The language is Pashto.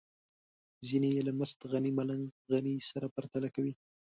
ځينې يې له مست غني ملنګ غني سره پرتله کوي.